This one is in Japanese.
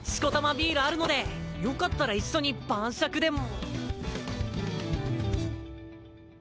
ビールあるのでよかったら一緒に晩酌でも。